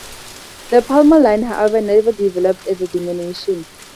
The "Palmer line" however, never developed as a denomination.